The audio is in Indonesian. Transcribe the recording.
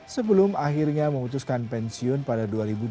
sebelum akhirnya memutuskan pensiun pada dua ribu dua puluh